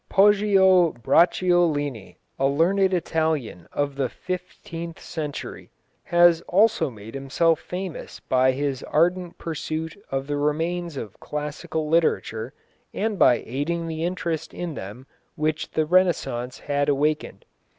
Poggio Bracciolini, a learned Italian of the fifteenth century, has also made himself famous by his ardent pursuit of the remains of classical literature, and by aiding the interest in them which the Renaissance had awakened.